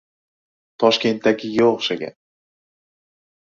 — Toshkentdagiga o‘xshagan?